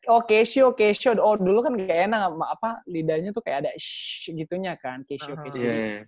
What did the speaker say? oh casio casio oh dulu kan kayak enak lidahnya tuh kayak ada shhh gitu kan casio casio